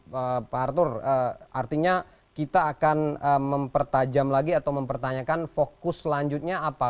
pak arthur artinya kita akan mempertajam lagi atau mempertanyakan fokus selanjutnya apa